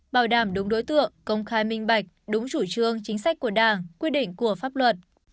bảo đảm đúng đối tượng công khai minh bạch đúng chủ trương chính sách của đảng quy định của pháp luật